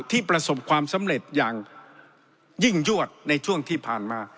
ประสบความสำเร็จอย่างยิ่งยวดในช่วงที่ผ่านมา